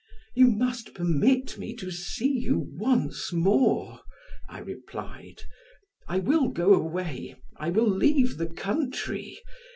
"You must permit me to see you once more," I replied. "I will go away, I will leave the country.